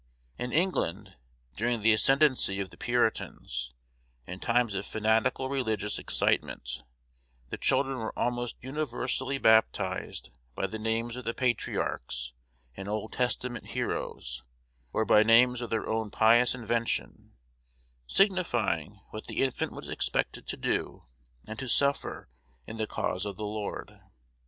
In England, during the ascendency of the Puritans, in times of fanatical religious excitement, the children were almost universally baptized by the names of the patriarchs and Old Testament heroes, or by names of their own pious invention, signifying what the infant was expected to do and to suffer in the cause of the Lord.